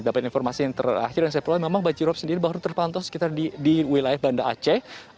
dapat informasi yang terakhir yang saya perlukan memang banjirop sendiri baru terpantau sekitar di wilayah banda aceh